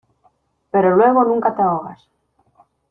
pero luego nunca te ahogas.